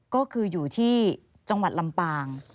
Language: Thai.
ก็คืออยู่ที่จังหวัดลำปาง